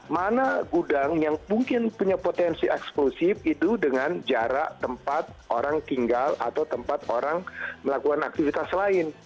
mana gudang yang mungkin punya potensi eksklusif itu dengan jarak tempat orang tinggal atau tempat orang melakukan aktivitas lain